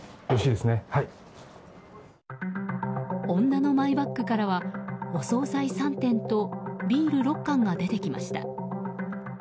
女のマイバッグからはお総菜３点とビール６缶が出てきました。